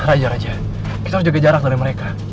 raja raja kita harus jaga jarak dari mereka